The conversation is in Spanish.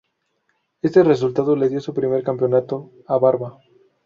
Este resultado le dio su primer campeonato a Barva.